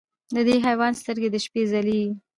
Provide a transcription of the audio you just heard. د دې حیوان سترګې د شپې ځلېږي.